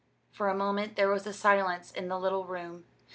For a moment there was silence in the little room.